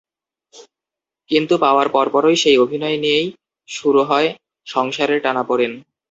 কিন্তু পাওয়ার পরপরই সেই অভিনয় নিয়েই শুরু হয় সংসারের টানাপোড়েন।